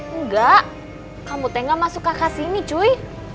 enggak kamu tengga masuk kakak sini cuy